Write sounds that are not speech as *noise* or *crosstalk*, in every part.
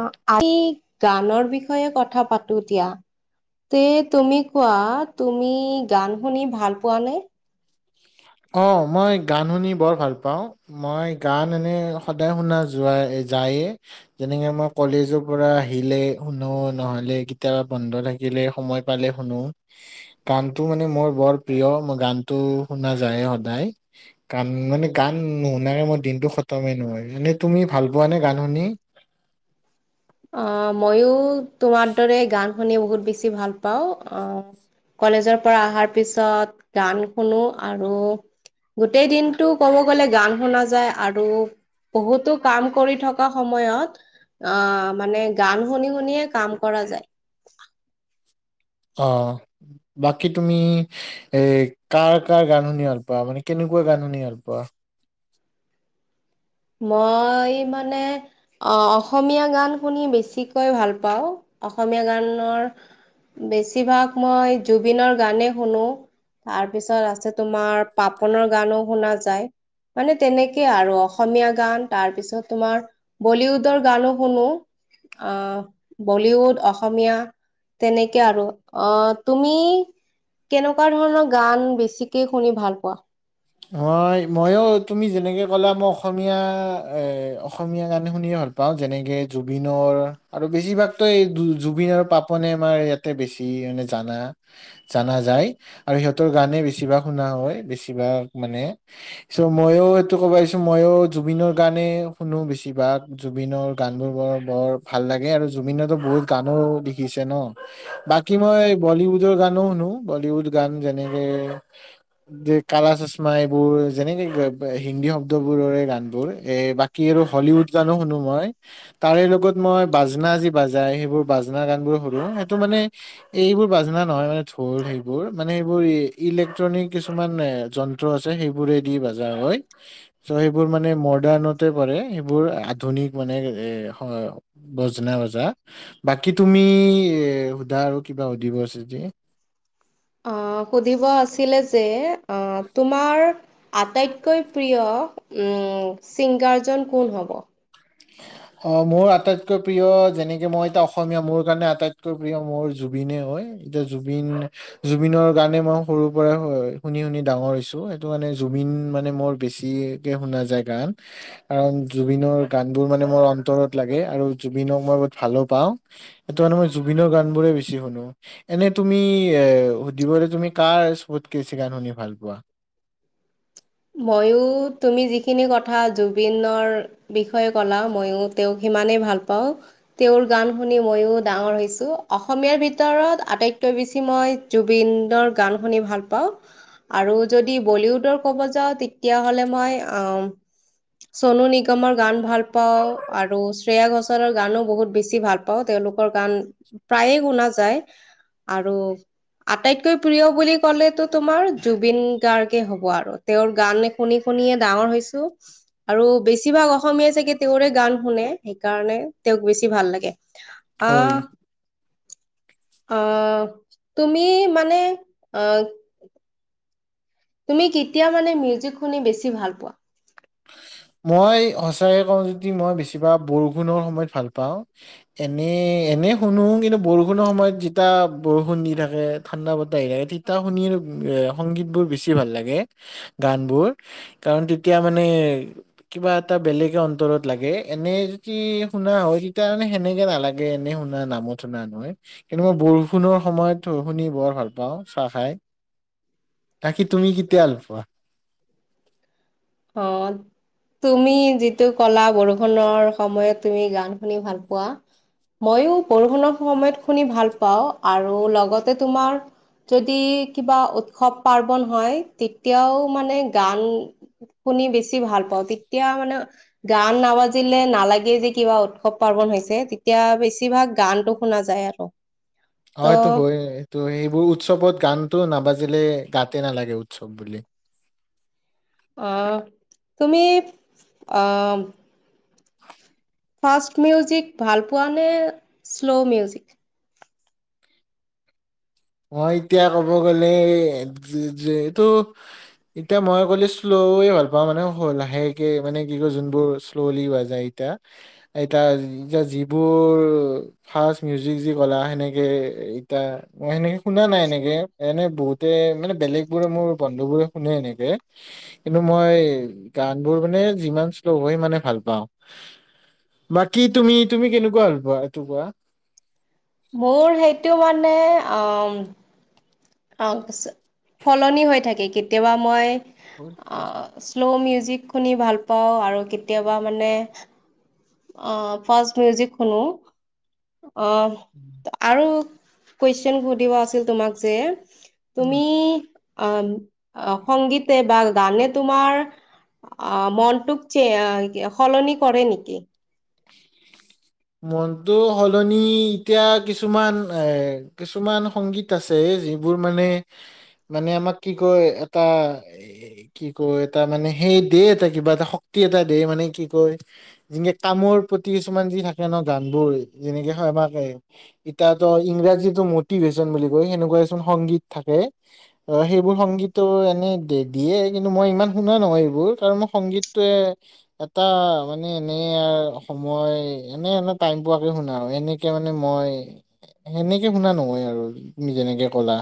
অ, আজি গানৰ বিষয়ে কথা পাতো দিয়া। তে, তুমি কোৱা, তুমি গান শুনি ভাল পোৱা নে? অঁ, মই গান শুনি বৰ ভাল পাওঁ। মই গান এনেই সদায় শুনা যোৱা যায়ে। যেনেকে মই কলেজৰ পৰা আহিলে শুনো, নহ'লে কেতিয়াবা বন্ধ থাকিলে সময় পালে শুনো, গানটো মানে মোৰ বৰ প্ৰিয়, মই গানটো শুনা যায় এ সদায়। গান মানে গান নুশুনাকে মই দিনতটো খতমেই নহয়। এনে তুমি ভাল পোৱা নে গান শুনি? আহ, মইও তোমাৰ দৰে গান শুনি বহুত বেছি ভাল পাওঁ, আহ। কলেজৰ পৰা অহাৰ পিছত গান শুনো আৰু গোটেই দিনটো ক'ব গ'লে গান শুনা যায় আৰু বহুতো কাম কৰি থকা সময়ত অ মানে গান শুনি-শুনিয়ে কাম কৰা যায়। অ, বাকী তুমি এ, কাৰ-কাৰ গান শুনি ভাল পোৱা, মানে কেনেকুৱা গান শুনি ভাল পোৱা? মই মানে অঁ অসমীয়া গান শুনি বেছিকৈ ভাল পাওঁ অসমীয়া গানৰ বেছিভাগ মই জুবিনৰ গানে‌ শুনো। তাৰ পিছত আছে তোমাৰ, পাপনৰ গানো শুনা যায় মানে তেনেকেই আৰু অসমীয়া গান, তাৰ পিছত তোমাৰ বলীউডৰ গানো শুনো। আঁহ, বলিউড অসমীয়া। তেনেকে আৰু অঁ তুমি কেনেকুৱা ধৰণৰ গান বেছিকে শুনি ভাল পোৱা? মই মইয়ো তুমি যেনেকে ক'লা মই অসমীয়া এঁ অসমীয়া গানে শুনিয়ে ভাল পাওঁ। পাওঁ যেনেকে জুবিনৰ আৰু বেছিভাগতো এই জুবিন আৰু পাপনে আমাৰ ইয়াত তে বেছি মানে জানা জানা যায় আৰু সিহঁতৰ গানে বেছিভাগ শুনা হয় বেছিভাগ মানে চ' মইও এইটো ক'বা‌হিছো মইও জুবিনৰ গানে শুনো বেছিভাগ। জুবিনৰ গান বোৰ বৰ বৰ ভাল লাগে আৰু জুবিনৰতো বহুত গানো দেখিছে ন'? বাকী মই বলীউডৰ গানো শুনো, বলীউড গান যেনেকে যে কালা চচ মা এইবোৰ যেনেকে ৱে হিন্দী শব্দবোৰৰ এ গান বোৰ এ বাকী আৰু হলিউড জানো শুনো মই। তাৰে লগত মই বাজনা যি বাজাই, সেইবোৰ বাজনা গান বোৰ শুনো, সেইটো মানে এইবোৰ বাজনা নহয় মানে ঢোৰ সেইবোৰ মানে সেইবোৰ ইলেক্ট্ৰনিক কিছুমান এ জন্ ত্ৰ আছে সেইবোৰে দি বাজা হয়। চ' সেইবোৰ মানে মডাৰ্ণতে পৰে, সেইবোৰ আধুনিক মানে এ হ বজনা বজা, বাকী তুমি এ সোধা আৰু কিবা সুধিব আছে যদি? অঁহ সুধিব আছিলে যে তোমাৰ আটাইতকৈ প্ৰিয় উম চিংগাৰজন কোন হ'ব? *unintelligible* অ' মোৰ আটাইতকৈ প্ৰিয়, যেনেকে মই এতিয়া অসমীয়া, মোৰ কাৰণে আটাইতকৈ প্ৰিয় মোৰ জুবিনেই হয়। এতিয়া জুবিন জুবিনৰ গানে মই সৰুৰ পৰা এ শুনি শুনি ডাঙৰ হৈছো সেইটো কাৰণে জুবিন মানে মোৰ বেছি কে শুনা যায় গান, কাৰণ জুবিনৰ গান বোৰ মানে মোৰ অন্তৰত লাগে, আৰু জুবিনক মই বহুত ভালো পাওঁ। সেইটো কাৰণে মই জুবিনৰ গান বোৰে বেছি শুনো। এনেই তুমি এ সুধিবলে তুমি কাৰ চ'বতকে বেছি গান শুনি ভাল পোৱা? ময়ো তুমি যিখিনি কথা জুবিনৰ বিষয়ে ক'লা ময়ো তেওঁক সিমানেই ভাল পাওঁ। তেওঁৰ গান শুনি ময়ো ডাঙৰ হৈছোঁ। অসমীয়াৰ ভিতৰত আটাইতকৈ বেছি মই জুবিনৰ গান শুনি ভাল পাওঁ, আৰু যদি বলিউডৰ কব যাওঁ তেতিয়াহ'লে মই চনু নিগমৰ গান ভাল পাওঁ, আৰু শ্ৰেয়া ঘোষলৰ গানো বহুত বেছি ভাল পাওঁ তেওঁলোকৰ গান প্ৰায়ে শুনা যায় আৰু আটাইতকৈ প্ৰিয় বুলি ক'লেতো তোমাৰ জুবিন গাৰ্গে হ'ব আৰু। তেওঁৰ গান এ শুনি শুনিয়ে ডাঙৰ হৈছো। আৰু বেছিভাগ অসমীয় চাগে তেওঁৰে গান শুনে, সেইকাৰণে তেওঁক বেছি ভাল লাগে। হয় আহ আঁহ তুমি মানে আঁহ তুমি কেতিয়া মানে মিউজিক শুনি বেছি ভাল পোৱা? মই সচাঁকে কওঁ যদি মই বেছিভাগ বৰষুণৰ সময়ত ভাল পাওঁ। এনে এনে শুনো কিন্তু বৰষুণৰ সময়ত যেতিয়া বৰষুণ দি থাকে, ঠাণ্ডা বতাহ আহি থাকে তেতিয়া শুনি সংগীত বোৰ বেছি ভাল লাগে। গানবোৰ, কাৰণ তেতিয়া মানে কিবা এটা বেলেগে অন্তৰত লাগে এনে যদি শুনা হয়, তেতিয়া মানে সেনেকে নালাগে। এনে শুনা নামত শুনা নহয়। কিন্তু মই বৰষুণৰ সময়ত শুনি বৰ ভাল পাওঁ চাহ খাই। বাকী তুমি কেতিয়া ভাল পোৱা? অহ। তুমি যিটো কলা বৰষুণৰ সময়ত তুমি গান শুনি ভাল পোৱা। মইও বৰষুণৰ সময়ত শুনি ভাল পাওঁ আৰু লগতে তোমাৰ যদি কিবা উৎসৱ পাৰ্বন হয় তেতিয়াও মানে গান শুনি বেছি ভাল পাওঁ, তেতিয়া মানে গান নাবাজিলে নালাগে যে কিবা উৎসৱ পাৰ্বন হৈছে। তেতিয়া বেছিভাগ গানটো শুনা যায় আৰু। ত' এইটো হয় এইটো সেইবোৰ উৎসৱত গানতটো নাবাজিলে গাতে নালাগে উৎসৱ বুলি। অ' তুমি অ' ফাষ্ট মিউজিক ভাল পোৱা শ্লোল মিউজিক? মই এতিয়া ক'ব গলে কি যে এইটো এতিয়া মই ক'লে শ্লয়ে ভাল পাওঁ মানে লাহেকে মানে কি কই যোনবোৰ শ্ল'লি পোৱা যায়। এতিয়া এতিয়া যিবোৰ ফাষ্ট মিউজিক যি কলা সেনেকে এতিয়া অ সেনেকে শুনা নাই এনে বহুতে মানে বেলেগ বোৰে মোৰ বন্ধু বোৰে শুনে এনেকে। কিন্তু মই গান বোৰ মানে যিমান শ্লো' হয় সিমানে ভাল পাওঁ। বাকী তুমি তুমি কেনেকুৱা হ'ল পোৱা এইটো কোৱা? মোৰ সেইটো মানে অম! তাৰপিছত সলনি হৈ থাকে কেতিয়াবা মই। আৰু *unintelligible* শ্ল' মিউজিক শুনি ভাল পাওঁ আৰু কেতিয়াবা মানে। অ ফাষ্ট মিউজিক শুনো অ। *unintelligible* আৰু কুৱেচন সুধিব আছিল তোমাক যে। তুমি আঁহ সংগীতে বা গানে তোমাৰ। অ মনটোক যে সলনি কৰে নেকি। *unintelligible* মনটো সলনি এতিয়া কিছুমান এ কিছুমান সংগীত। আছে যিবোৰ মানে মানে আমাক কি কয় এটা। এ কি কয় এটা মানে সেই দে এটা কিবা এটা শক্তি এটা দে মানে কি কয় যে। কামৰ প্ৰতি কিছুমান যি থাকে ন গান বোৰ, যেনেকে হয়বাকে। এতিয়া টো ইংৰাজীটো মটিভেশচন বুলি কয় সেনেকুৱা এ চোন সংগীত থাকে। অ সেইবোৰ সংগীতটো এনেই দিয়ে কিন্তু মই ইমান শুনা নহয় এইবোৰ কাৰণ মই সংগীতটোৱে। এটা মানে এনে। এনে আৰু সময় এনে এনে টাইম পোৱাকে শুনা আৰু এনেকে মানে মই। সেনেকে শুনা নহয় আৰু তুমি যেনেকে কলা,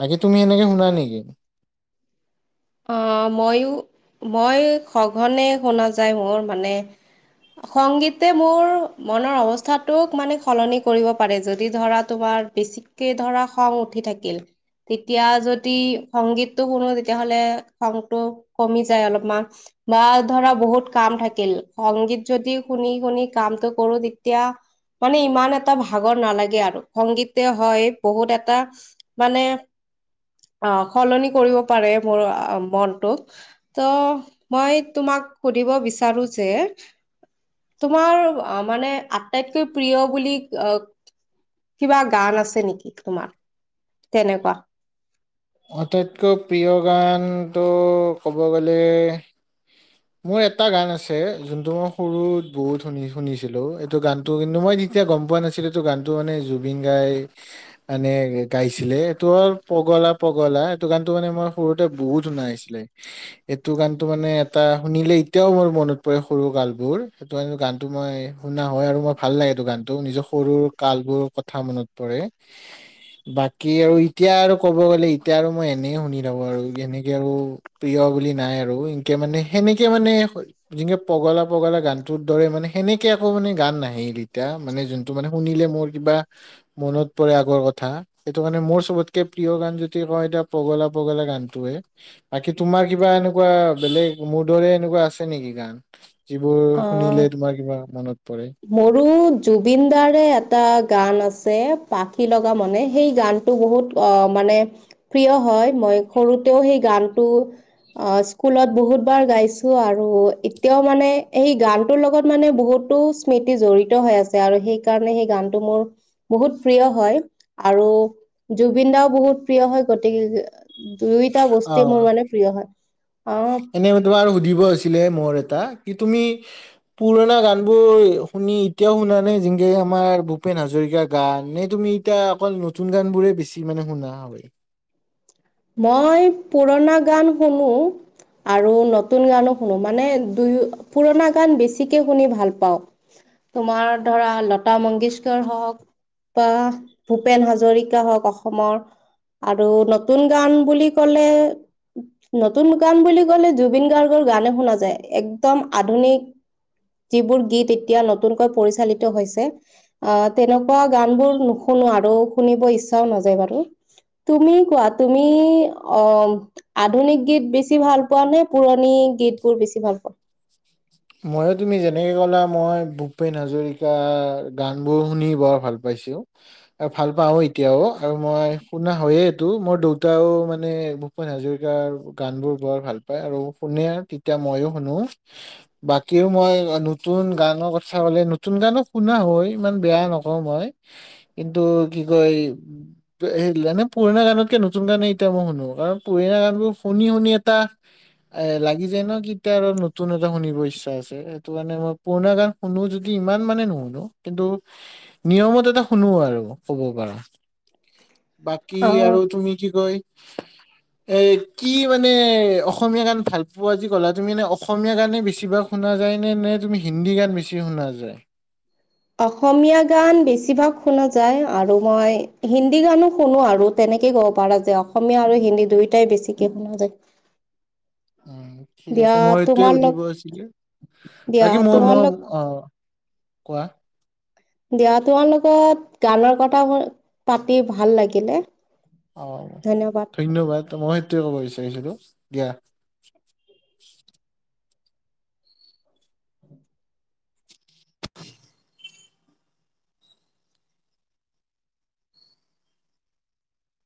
বাকী তুমি সেনেকে শুনা নেকি। অহ ময়ো মই সঘনে শুনা যায় মোৰ মানে। সংগীতে মোৰ মনৰ অৱস্থাটোক মানে সলনি কৰিব পাৰে, যদি ধৰা তোমাৰ বেছিকে ধৰা খং উঠি থাকিল তেতিয়া যদি সংগীতটো শুনো তেতিয়াহ'লে খংটো কমি যায় অলপমা বা ধৰা বহুত কাম থাকিল, সংগীত যদি শুনি শুনি কামটো কৰো তেতিয়া মানে ইমান এটা ভাগৰ নালাগে আৰু সংগীতে হয় বহুত এটা মানে অ সলনি কৰিব পাৰে মোৰ আ মনটোক ত মই তোমাক সুধিব বিচাৰো যে তোমাৰ আ মানে আটাইতকৈ প্ৰিয় বুলি আ কিবা গান আছে নেকি তোমাৰ তেনেকুৱা? আটাইতকৈ প্ৰিয় গানটো ক'ব গ'লে *inaudible* মোৰ এটা গান আছে, যোনটো মই সৰুতে বহুত শুনি শুনিছিলো, এইটো গান টো কিন্তু মই তেতিয়া গম পোৱা নাছিলো তো গানটো মানে জুবিন দাই মানে গাইছিলে এইটো হ'ল পগলা পগলা এইটো গানটো মানে মই সৰুতে বহুত শুনা হৈছিলে। এইটো গানটো মানে এটা শুনিলে এতিয়াও মোৰ মনত পৰে সৰু কাল বোৰ। সেইটো কাৰনে গানটো মই শুনা হয় আৰু মই ভাল লাগে এইটো গানটো নিজৰ সৰুৰ কালবোৰৰ কথা মনত পৰে। *inaudible* বাকী আৰু এতিয়া আৰু ক'ব গ'লে এতিয়া আৰু মই এনে শুনি থাকো আৰু এনেকে আও প্ৰিয় বুলি নাই আৰু এনকে মানে সেনেকে মানে যেনেকে পগলা পগলা গানটোৰ দৰে মানে সেনেকে আকৌ মানে গান নাহে এই দুইটা, মানে যোন টো মানে শুনিলে মোৰ কিবা মনত পৰে আগৰ কথা সেইটোকাৰণে মোৰ চবতকে প্ৰিয় গান যদি হয় এতিয়া পগলা পগলা গানটোৱে। বাকী তোমাৰ কিবা এনেকুৱা বেলেগ মোৰ দৰে এনেকুৱা আছে নেকি গান? যিবোৰ অ শুনিলে তোমাৰ কিবা মনত পৰে? মোৰো জুবিন দাৰে এটা গান আছে পাখি লগা মনে সেই গান টো বহুত অ মানে প্ৰিয় হয় মই সৰুতেও সেই গানটো আ স্কুলত বহুতবাৰ গাইছো আৰু এতিয়াও মানে এই গানটোৰ লগত মানে বহুতো স্মৃতি জড়িত হৈ আছে আৰু সেইকাৰণে সেই গানটো মোৰ বহুত প্ৰিয় হয় আৰু জুবিন দাও বহুত প্ৰিয় হয় গতিকে দুইটা অ বস্তু মানে মোৰ মানে প্ৰিয় হয়। অ এনে তোমাৰ সুধিব আছিলে মোৰ এটা কি তুমি পুৰণা গানবোৰ শুনি এতিয়াও শুনা নাই যেনেকে আমাৰ ভূপেন হাজৰিকাৰ গান নে তুমি তিয়া অকল নতুন গানবোৰে বেছি মানে শুনা হয়? মই পুৰণা গান শুনো। আৰু নতুন গানো শুনো মানে দুয়ো পুৰণা গান বেছিকে শুনি ভাল পাওঁ। তোমাৰ ধৰা লতা মংগেশকৰ হওঁক বা ভূপেন হাজৰিকা হওঁক অসমৰ আৰু নত তুন গান বুলি ক'লে নতুন গান বুলি ক'লে জুবিন গাৰ্গৰ গানে শুনা যায়। একদম আধুনিক যিবোৰ গীত এতিয়া নতুনকৈ পৰিচালিত হৈছে আ তেনেকুৱা গান বোৰ নুশুনো আৰু শুনিব ইচ্ছাও নাযায় বাৰু। তুমি কোৱা তুমি অ আধুনিক গীত বেছি ভাল পোৱা নে, পুৰণি গীত বোৰ বেছি ভাল পোৱা? ময়ো তুমি যেনেকে ক'লা মই ভূপেন হাজৰিকা গান বোৰ শুনি বৰ ভাল পা পাইছো। আৰু ভাল পাও, এতিয়াও আৰু মই শুনা হয়য়ে এইটো মোৰ দেউতাও মানে ভূপেন হাজৰিকাৰ গান বোৰ বৰ ভাল পায়, আৰু শুনে তেতিয়া ময়ো শুনো। বাকিও মই নতুন গানৰ কথা কলে, নতুন গানো শুনা হয় ইমান বেয়া নকওঁ মই। কিন্তু কি কয় মানে পুৰণা গানতকে নতুন গানেই এতিয়া মই শুনো, কাৰণ পুৰণা গান বোৰ শুনি শুনি এটা এ লাগি যায় ন, *unintelligible* আৰু নতুন এটা শুনিব ইচ্ছা আছে, সেইটো কাৰণে মই পুৰণা গান শুনো যদি ইমান মানে নুশুনো। কিন্তু নিয়মত এটা শুনো আৰু কব পাৰা। বাকী অ আৰু তুমি কি কয়, *unintelligible* এ কি মানে অসমীয়া গান ভাল পোৱা যে ক'লা তুমি মানে অসমীয়া গানে বেছিভাগ শুনা যায় নে, নে তুমি হিন্দী গান বেছি শুনা যায়? অসমীয়া গান বেছিভাগ শুনা যায়, আৰু মই হিন্দী গানো শুনো আৰু। তেনেকেই ক'ব পাৰা যে অসমীয়া আৰু হিন্দী দুয়োটা বেছিকে শুনা যায়। উম, ঠিক দিয়া আছে! মই এইটোয়ে তোমাৰ লগ সুধিব আছিলে। দিয়া বাকী মই তোমাৰ লগ মই--অ'কোৱা। দিয়া তোমাৰ লগত গানৰ কথা পাতি ভাল লাগিলে। অ' ধন্যবাদ। ধন্যবাদ! মই সেইটোৱে ক'ব বিচাৰিছিলো দিয়া।